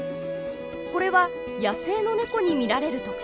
これは野生のネコに見られる特徴。